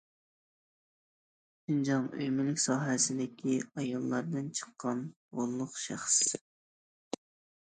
شىنجاڭ ئۆي- مۈلۈك ساھەسىدىكى ئاياللاردىن چىققان غوللۇق شەخس.